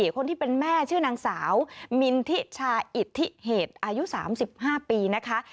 คนที่เป็นแม่ชื่อนางสาวมินทิชาอิทธิเหตุอายุ๓๕ปีนะคะ